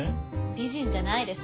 美人じゃないです。